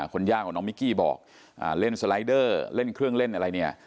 คุณย่าของน้องมิกกี้บอกเล่นสไลเดอร์เล่นเครื่องเล่นอะไรเนี่ย